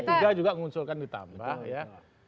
tiga juga mengunsulkan ditambah ya